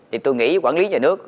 thì tôi nghĩ quản lý nhà nước